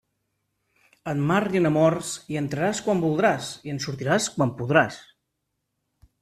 En mar i en amors, hi entraràs quan voldràs i en sortiràs quan podràs.